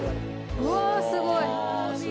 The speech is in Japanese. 「うわーすごい！」